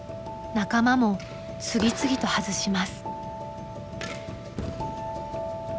仲間も次々と外します。